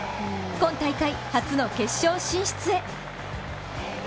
今大会初の決勝進出へ。